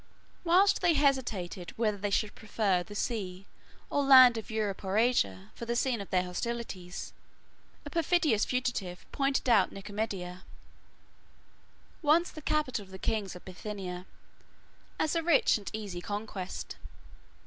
Whilst they hesitated whether they should prefer the sea or land, Europe or Asia, for the scene of their hostilities, a perfidious fugitive pointed out Nicomedia, 1111 once the capital of the kings of Bithynia, as a rich and easy conquest.